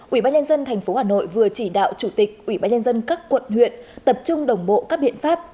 ubnd tp hà nội vừa chỉ đạo chủ tịch ubnd các quận huyện tập trung đồng bộ các biện pháp